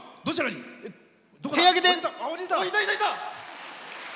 いた、いた、いた！